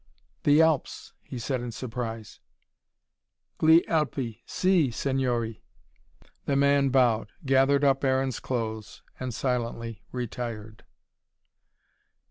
"The Alps," he said in surprise. "Gli Alpi si, signore." The man bowed, gathered up Aaron's clothes, and silently retired.